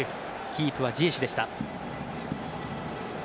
キープはジエシュでした。